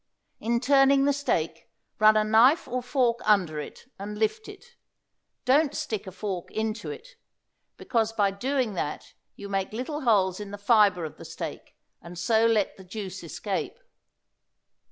In turning the steak run a knife or fork under it and lift it. Don't stick a fork into it, because by doing that you make little holes in the fibre of the steak and so let the juice escape.